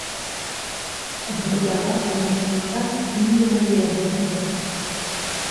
Грудаватая мерзлата стрымлівала яго бягу.